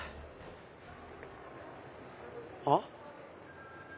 あっ？